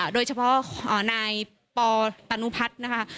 โดยเฉพาะนายปตานุพัฒน์นะคะ